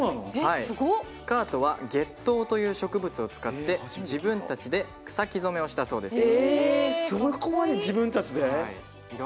スカートは月桃という植物を使って、自分たちで草木染めをしたそうです。